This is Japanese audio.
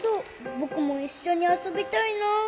ぼくもいっしょにあそびたいなあ。